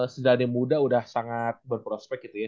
sejadinya muda udah sangat berprospek gitu ya